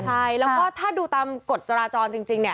ใช่แล้วก็ถ้าดูตามกฎจราจรจริงเนี่ย